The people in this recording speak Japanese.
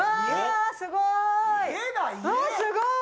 すごーい。